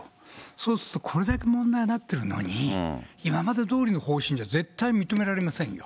そうするとこれだけ問題になってるのに、今までどおりの方針で絶対に認められませんよ。